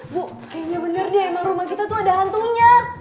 bu kayaknya bener deh emang rumah kita tuh ada hantunya